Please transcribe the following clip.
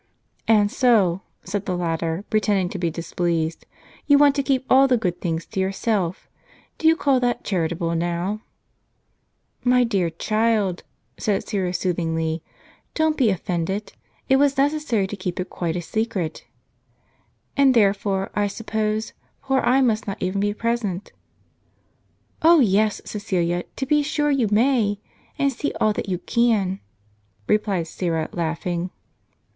"And so," said the latter, pretending to be displeased, "you want to keep all the good things to yourself. Do you call that charitable, now ?" "My dear child," said Syra, soothingly, "don't be offended. It was necessary to keep it quite a secret." "And therefore, I suppose, poor I must not even be present? " "Oh, yes, Ceecilia, to be sure you may; and see all that you can," replied Syra, laughing.